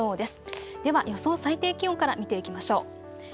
では予想最低気温から見ていきましょう。